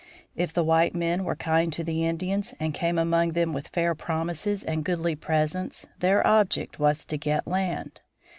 If the white men were kind to the Indians and came among them with fair promises and goodly presents, their object was to get land.